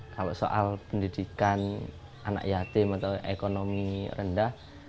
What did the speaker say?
kalau soal pendidikan anak yatim atau ekonomi rendah